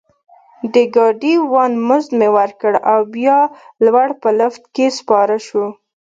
د ګاډي وان مزد مې ورکړ او بیا لوړ په لفټ کې سپاره شوو.